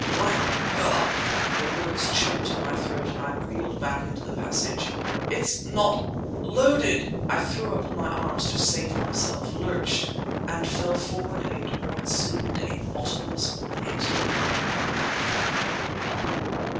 "My God!"—the words choked in my throat and I reeled back into the passage—"it's not loaded!" I threw up my arms to save myself, lurched, and fell forward into what seemed a bottomless pit.